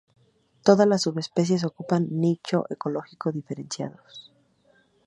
Todas las subespecies ocupan nicho ecológico diferenciados.